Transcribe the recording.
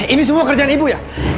ini semua kerjaan ibu ya